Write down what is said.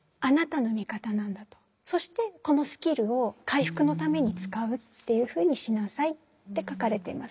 そしてこのスキルを回復のために使うっていうふうにしなさいって書かれてます。